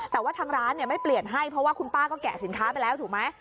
แต่ว่าทางร้านไม่เปลี่ยนให้เพราะว่าคุณป้าก็แกะสินค้าไปแล้วถูกไหม